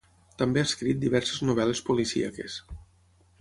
També ha escrit diverses novel·les policíaques.